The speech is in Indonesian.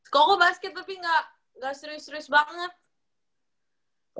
koko basket tapi nggak serius serius banget